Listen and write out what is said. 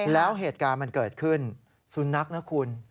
แล้วเหตุการณ์มันเกิดขึ้นสุนัขนะคุณ